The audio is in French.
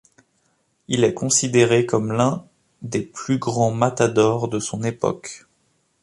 Il est considéré comme l'un des plus grands matadors de son époque.